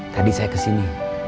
tadi saya kesini